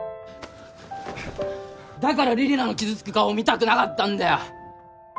だから李里奈の傷つく顔を見たくなかったんだよ。